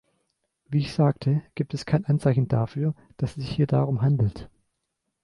Wie ich sagte, gibt es kein Anzeichen dafür, dass es sich hier darum handelt.